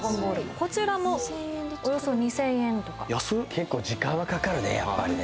こちらもおよそ２０００円とか結構時間はかかるね